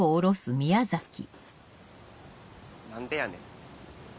何でやねん。